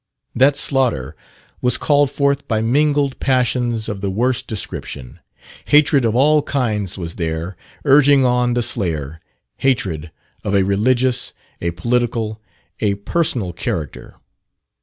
That slaughter was called forth by mingled passions of the worst description. Hatred of all kinds was there urging on the slayer hatred of a religious, a political, a personal character.